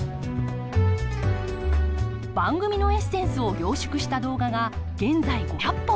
番組のエッセンスを凝縮した動画が現在５００本。